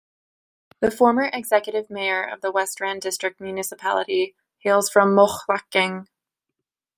The former Executive Mayor of The West Rand District Municipality hails from Mohlakeng.